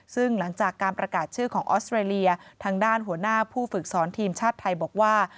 ซึ่งหลังจากการประกาศชื่อของออสเตรเลียทางด้านหัวหน้าผู้ฝึกสอนทีมชาติไทยบอกว่า